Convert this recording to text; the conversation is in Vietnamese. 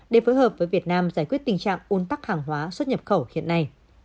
để phối hợp với việt nam giải quyết tình trạng un tắc hàng hóa xuất nhập khẩu hiện nay